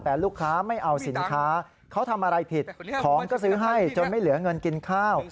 แต่ลูกค้าไม่เอาสินค้าเขาทำอะไรผิดของก็ซื้อให้จนไม่เหลือเงินกินข้าว